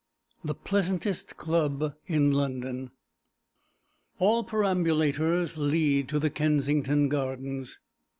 The Pleasantest Club in London All perambulators lead to the Kensington Gardens.